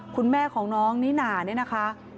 คุณแม่ของน้องนี่นานะคะ